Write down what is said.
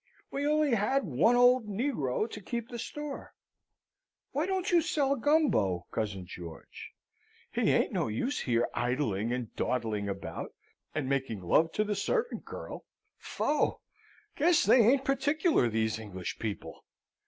We only had one old negro to keep the store. Why don't you sell Gumbo, cousin George? He ain't no use here idling and dawdling about, and making love to the servant girl. Fogh! guess they ain't particular, these English people!"